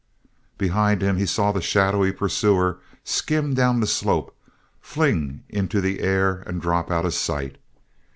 Behind him, he saw the shadowy pursuer skim down the slope, fling into the air, and drop out of sight.